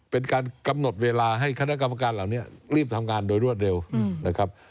เป็นการกำหนดเวลาให้คณะกรรมการเหล่านี้รีบทำงานโดยรวดเร็วนะครับ